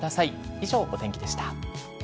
以上、お天気でした。